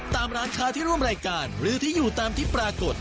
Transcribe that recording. ตามร้านค้าที่ร่วมรายการหรือที่อยู่ตามที่ปรากฏ